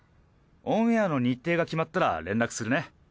オンエアの日程が決まったら連絡するね。